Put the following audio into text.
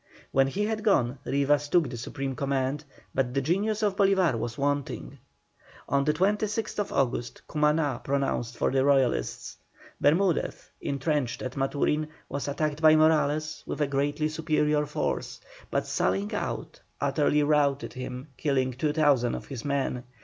When he had gone, Rivas took the supreme command, but the genius of Bolívar was wanting. On the 26th August Cumaná pronounced for the Royalists. Bermudez, entrenched at Maturin, was attacked by Morales with a greatly superior force, but sallying out, utterly routed him, killing 2,000 of his men.